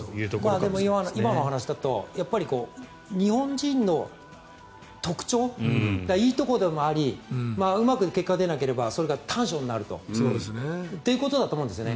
でも今のお話だと日本人の特徴いいところでもありうまく結果が出なければそれが短所になると。ということだと思うんですね。